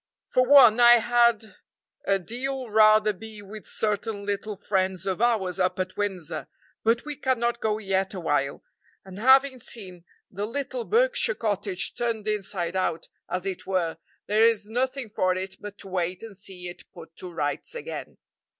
For one, I had a deal rather be with certain little friends of ours up at Windsor, but we cannot go yet a while; and having seen the little Berkshire cottage turned inside out, as it were, there is nothing for it but to wait and see it put to rights again.